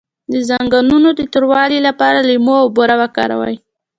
د زنګونونو د توروالي لپاره لیمو او بوره وکاروئ